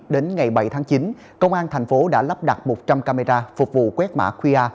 đến ngày bảy tháng chín công an thành phố đã lắp đặt một trăm linh camera phục vụ quét mã qr